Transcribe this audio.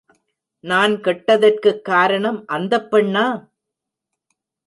நான் கெட்டதற்குக் காரணம் அந்தப் பெண்ணா?